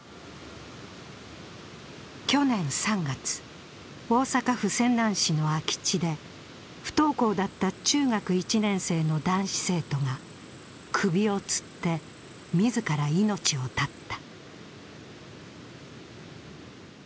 去年３月、大阪府泉南市の空き地で不登校だった中学１年生の男子生徒が首をつって自ら命を絶った。